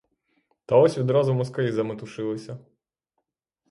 Та ось відразу москалі заметушилися.